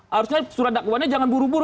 harusnya surat dakwaannya jangan buru buru